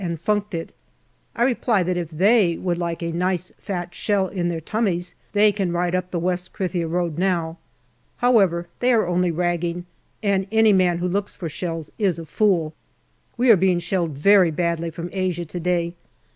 and funked it. I reply that if they would like a nice fat shell in their tummies they can ride up the West Krithia road now. However, they are only ragging, and any man who looks for shells is a fool. We are being shelled very badly from Asia to day.